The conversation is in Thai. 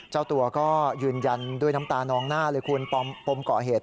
เจ้าตัวก็ยืนยันด้วยน้ำตานองหน้าเลยคุณปมก่อเหตุ